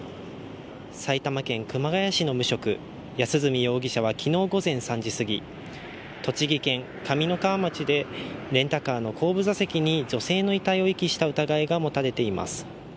埼玉県熊谷市の無職、安栖容疑者は昨日午前３時すぎ、栃木県上三川町でレンタカーの後部座席に女性の遺体を遺棄した疑いが持たれています。